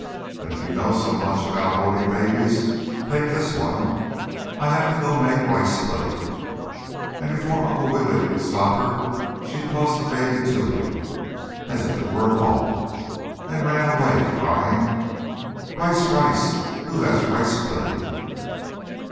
"Then if you know so much about holding babies, take this one. I have to go make a rice pudding," and before Uncle Wiggily could stop her she tossed the baby to him as if it were a ball and ran away, crying: "Rice! Rice! Who has the rice pudding?"